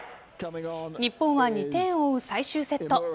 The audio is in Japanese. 日本は２点を追う最終セット。